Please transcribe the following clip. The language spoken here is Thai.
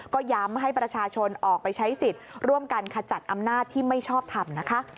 ก็ย้ำให้ประชาชนออกไปใช้สิทธิ์ร่วมกันขจัดอำนาจที่ไม่ชอบทำนะคะ